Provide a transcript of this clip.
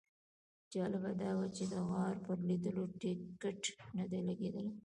جالبه دا وه چې د غار پر لیدلو ټیکټ نه دی لګېدلی.